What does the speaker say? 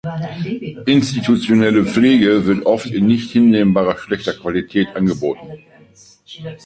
Institutionelle Pflege wird oft in nicht hinnehmbar schlechter Qualität angeboten.